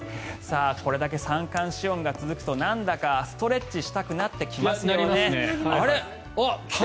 これだけ三寒四温が続くとなんだかストレッチしたくなってきますね。